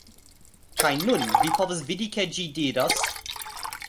Kaj nun, vi povas vidi, ke ĝi diras